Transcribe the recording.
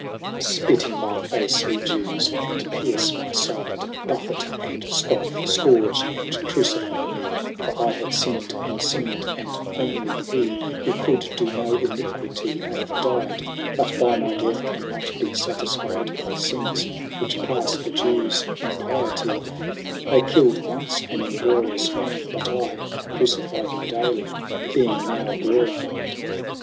327 XL SPit in my face you Jewes, and pierce my fide, Buffet, and fcoffe, fcourge, and crucifie mee, For I have finn'd, and finn'd, and onely hee, Who could do no iniquitie, hath dyed : But by my death can not be fatisfied 5 My fmnes, which pafle the Jewes impiety : They kill'd once an inglorious man, but I Crucifie him daily, being now glorified.